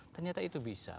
ternyata itu bisa